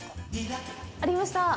ありました。